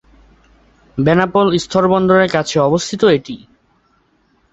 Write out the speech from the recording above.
বেনাপোল স্থলবন্দর এর কাছে অবস্থিত এটি।